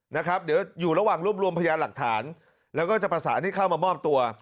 นะครับเดี๋ยวอยู่ระหว่างรวบรวมพยานหลักฐานแล้วก็จะประสานให้เข้ามามอบตัว